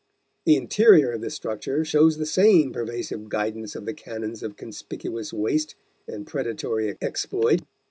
The interior of the structure shows the same pervasive guidance of the canons of conspicuous waste and predatory exploit.